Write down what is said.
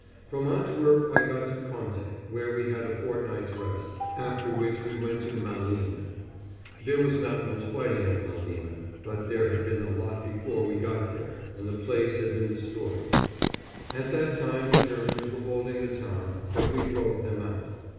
From Antwerp I went to Conte, where we had a fortnight's rest, after which we went to Malines. There was not much fighting at Malines, but there had been a lot before we got there, and the place had been destroyed. At that time the Germans were holding the town, but we drove them out.